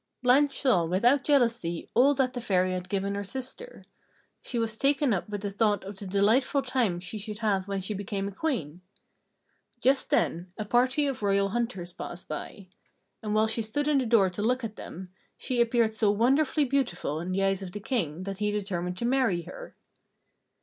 Blanche saw without jealousy all that the Fairy had given her sister. She was taken up with the thought of the delightful times she should have when she became a Queen. Just then a party of royal hunters passed by. And while she stood in the door to look at them, she appeared so wonderfully beautiful in the eyes of the King that he determined to marry her.